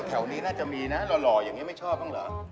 แถวนี้น่าจะมีนะรออย่างนี้ไม่ชอบหรือ